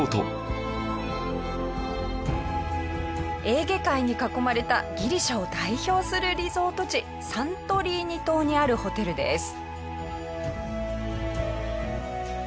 エーゲ海に囲まれたギリシャを代表するリゾート地サントリーニ島にあるホテルです。